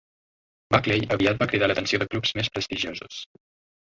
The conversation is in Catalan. Buckley aviat va cridar l'atenció de clubs més prestigiosos.